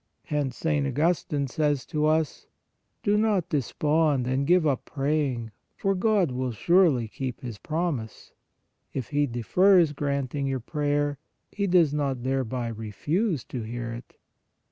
Hence St. Augustine says to us :" Do not despond CONDITIONS OF PRAYER 53 and give up praying, for God will surely keep His promise; if He defers granting your prayer, He does not thereby refuse to hear it."